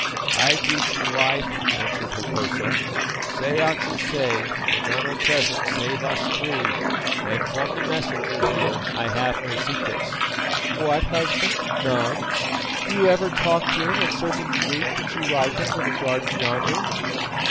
"I greet you, Wife," answered Hokosa. "Say out your say, for none are present save us three, and from the Messenger here I have no secrets." "What, Husband, none? Do you ever talk to him of certain fruit that you ripened in a garden yonder?"